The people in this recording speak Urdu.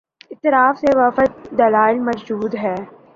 اطراف سے وافر دلائل مو جود ہیں۔